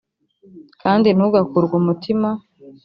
kandi ntugakurwe umutima